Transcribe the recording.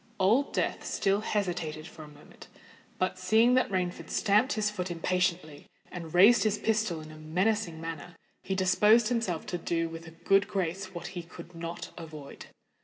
Old Death still hesitated for a moment; but, seeing that Rainford stamped his foot impatiently and raised his pistol in a menacing manner, he disposed himself to do with a good grace what he could not avoid.